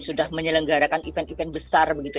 sudah menyelenggarakan event event besar begitu